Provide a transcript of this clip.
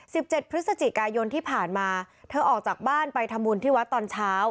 สิบเจ็ดพฤศจิกายนที่ผ่านมาเธอออกจากบ้านไปทำบุญที่วัดตอนเช้า